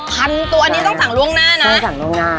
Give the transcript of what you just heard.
พันตัวอันนี้ต้องสั่งล่วงหน้านะ